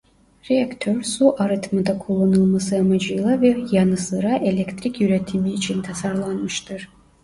Reaktör su arıtmada kullanılması amacıyla ve yanı sıra elektrik üretimi için tasarlanmıştır.